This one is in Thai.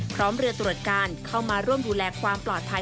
พร้อมเรือตรวจการเข้ามาร่วมดูแลความปลอดภัย